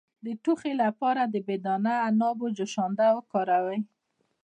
د ټوخي لپاره د بې دانه عنابو جوشانده وکاروئ